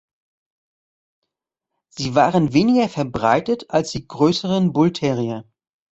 Sie waren weniger verbreitet als die größeren Bullterrier.